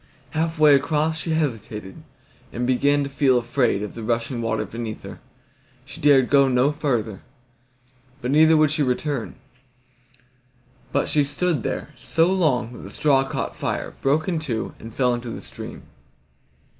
Half way across she hesitated, and began to feel afraid of the rushing water beneath her. She dared go no farther, but neither would she return; but she stood there so long that the straw caught fire, broke in two, and fell into the stream.